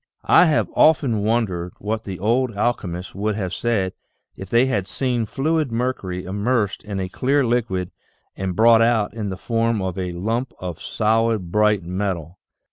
I have often wondered what the old alchemists would have said if they had seen fluid mercury immersed in a clear liquid and brought out in the form of a lump of solid, bright metal.